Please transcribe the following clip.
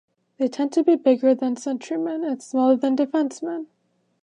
They tend to be bigger than centreman and smaller than defenceman.